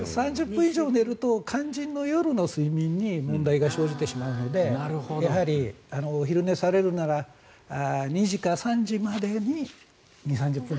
３０分以上寝ると肝心の夜の睡眠に問題が生じてしまうのでやはりお昼寝されるのなら２時か３時までに２０３０分。